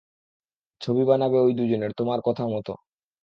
ছবি বানাবে ঐ দুজনের, তোমার কথামতো।